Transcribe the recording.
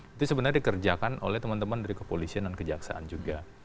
itu sebenarnya dikerjakan oleh teman teman dari kepolisian dan kejaksaan juga